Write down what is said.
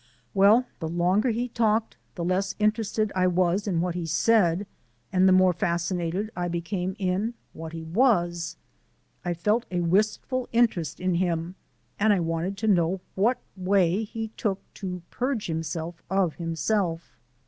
Well, the longer he talked, the less interested I was in what he said and the more fascinated I became in what he was. I felt a wistful interest in him: and I wanted to know what way he took to purge himself of himself.